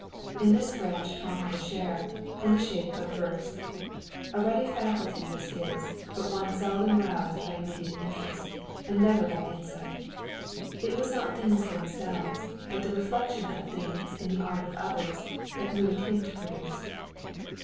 In this branch Tom had a share, in the shape of verse. A ready faculty was his, but one seldom roused by immediate interest, and never by insight. It was not things themselves, but the reflection of things in the art of others, that moved him to produce.